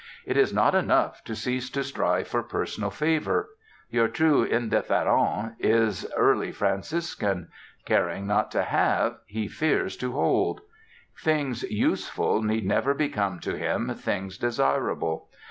It is not enough to cease to strive for personal favor; your true indifférent is Early Franciscan: caring not to have, he fears to hold. Things useful need never become to him things desirable.